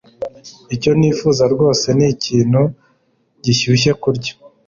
Icyo nifuza rwose ni ikintu gishyushye kurya